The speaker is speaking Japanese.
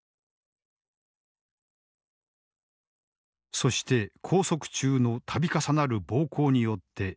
そして拘束中の度重なる暴行によって命を落とした。